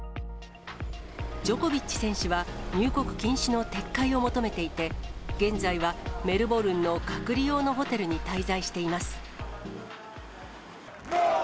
ジョコビッチ選手は入国禁止の撤回を求めていて、現在はメルボルンの隔離用のホテルに滞在しています。